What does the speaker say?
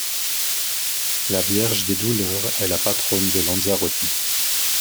La Vierge des Douleurs est la patronne de Lanzarote.